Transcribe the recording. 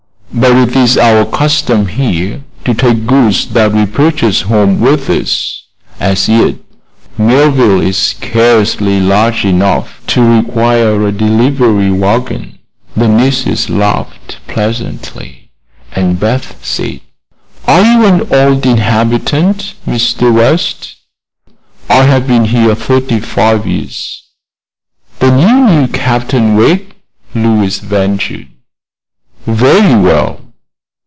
But it is our custom here to take goods that we purchase home with us. As yet Millville is scarcely large enough to require a delivery wagon." The nieces laughed pleasantly, and Beth said: "Are you an old inhabitant, Mr. West?" "I have been here thirty five years." "Then you knew Captain Wegg?" Louise ventured. "Very well."